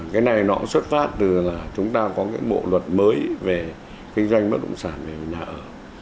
cái này nó cũng xuất phát từ là chúng ta có cái bộ luật mới về kinh doanh bất động sản về nhà ở